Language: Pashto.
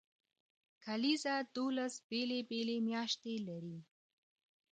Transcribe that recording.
کلیزه دولس بیلې بیلې میاشتې لري.